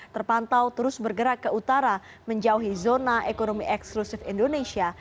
lima ribu dua ratus empat terpantau terus bergerak ke utara menjauhi zona ekonomi eksklusif indonesia